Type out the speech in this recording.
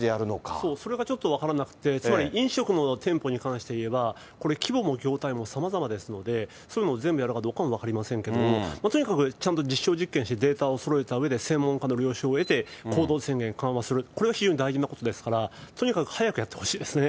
そう、それがちょっと分からなくて、つまり飲食の店舗に関していえば、これ、規模も業態もさまざまですので、そういうのを全部やるのかどうか分かりませんけれども、とにかくちゃんと実証実験してデータをそろえたうえで、専門家の了承を得て行動緩和する、これが大事ですから、とにかく早くやってほしいですね。